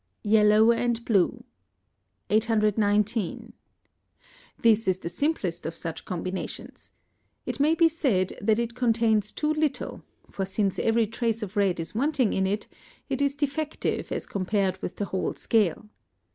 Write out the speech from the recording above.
YELLOW AND BLUE. 819. This is the simplest of such combinations. It may be said that it contains too little, for since every trace of red is wanting in it, it is defective as compared with the whole scale.